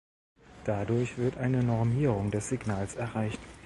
Dadurch wird eine Normierung des Signals erreicht.